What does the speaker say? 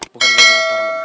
bukan ke motor ma